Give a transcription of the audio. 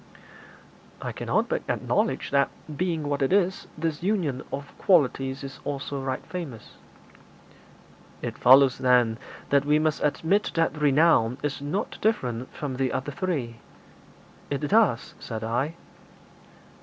'I cannot but acknowledge that, being what it is, this union of qualities is also right famous.' 'It follows, then, that we must admit that renown is not different from the other three.' 'It does,' said I.